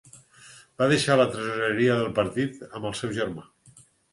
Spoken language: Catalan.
Va deixar la tresoreria del partit amb el seu germà.